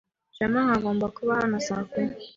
Shema ngo agomba kuba hano saa kumi.